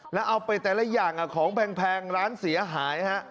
แล้วเอาไปแต่ละอย่างของแพงร้านเสียหายฮะ